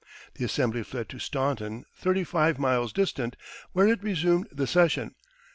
The Assembly fled to Staunton, thirty five miles distant, where it resumed the session.